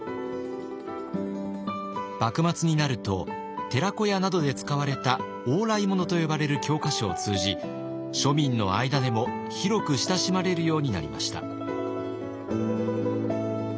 幕末になると寺子屋などで使われた「往来物」と呼ばれる教科書を通じ庶民の間でも広く親しまれるようになりました。